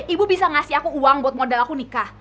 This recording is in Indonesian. ibu bisa ngasih aku uang buat modal aku nikah